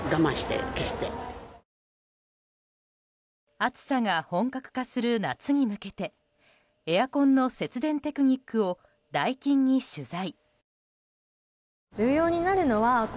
暑さが本格化する夏に向けてエアコンの節電テクニックをダイキンに取材。